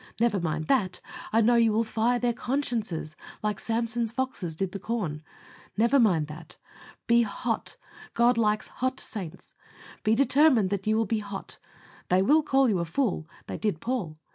Never mind that. I know you will fire their consciences, like Samson's foxes did the corn. Never mind that. Be hot. God likes hot saints. Be determined that you will be hot. They will call you a fool: they did Paul.